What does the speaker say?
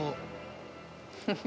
フフフ。